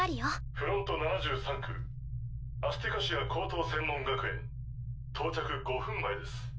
フロント７３区アスティカシア高等専門学園到着５分前です。